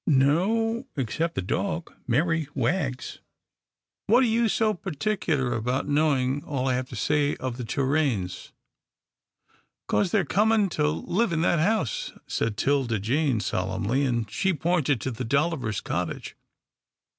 "" No, except the dog, Merry Wags — what are you so particular about knowing all I have to say of the Torraines ?"" 'Cause they're coming to live in that house," said 'Tilda Jane solemnly, and she pointed to the Dollivers' cottage.